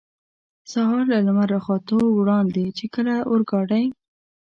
سهار له لمر را ختو وړاندې، چې کله اورګاډی.